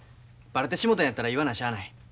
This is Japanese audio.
バレてしもたんやったら言わなしゃあない。